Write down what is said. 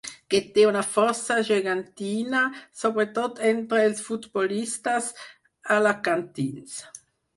Que té una força gegantina, sobretot entre els futbolistes alacantins.